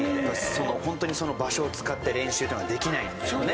ホントにその場所を使って練習っていうのができないんですよね